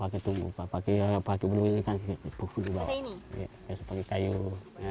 pakai tubuh pakai pakai beli kan buku dibawa ini ya seperti kayu